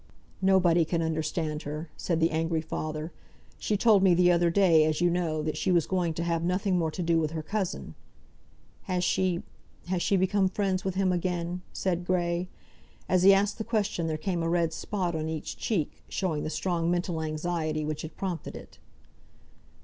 "Nobody can understand her," said the angry father. "She told me the other day, as you know, that she was going to have nothing more to do with her cousin " "Has she has she become friends with him again?" said Grey. As he asked the question there came a red spot on each cheek, showing the strong mental anxiety which had prompted it.